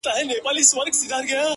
هېره مي يې